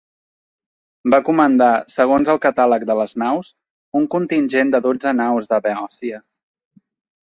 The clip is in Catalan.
Va comandar, segons el catàleg de les naus, un contingent de dotze naus de Beòcia.